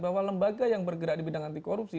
bahwa lembaga yang bergerak di bidang anti korupsi